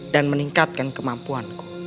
dan meningkatkan kemampuanku